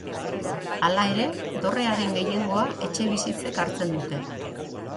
Hala ere, dorrearen gehiengoa etxebizitzek hartzen dute.